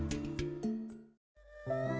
supaya beliau lebih khusus